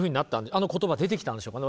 あの言葉出てきたんでしょうかね。